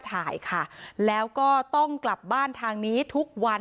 ถ่ายค่ะแล้วก็ต้องกลับบ้านทางนี้ทุกวัน